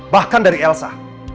bahkan dari elsa